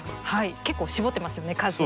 結構絞ってますよね数を。